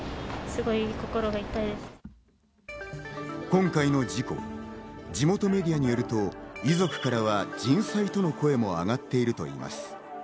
今回の事故、地元メディアによると、遺族からは人災との声も上がっているといいます。